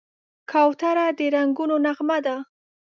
کوتره د رنګونو نغمه ده.